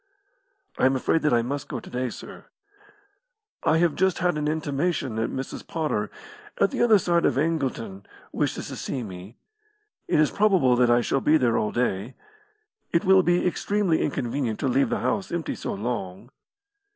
"I am afraid that I must go to day, sir." "I have just had an intimation that Mrs. Potter, at the other side of Angleton, wishes to see me. It is probable that I shall be there all day. It will be extremely inconvenient to leave the house empty so long."